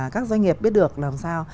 các doanh nghiệp biết được làm sao